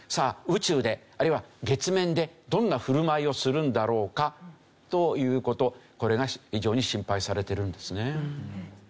宇宙であるいは月面でどんな振る舞いをするんだろうかという事これが非常に心配されてるんですね。